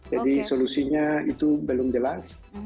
jadi solusinya itu belum jelas